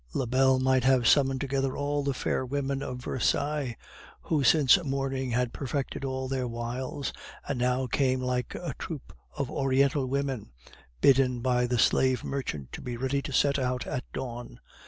Lebel might have summoned together all the fair women of Versailles, who since morning had perfected all their wiles, and now came like a troupe of Oriental women, bidden by the slave merchant to be ready to set out at dawn.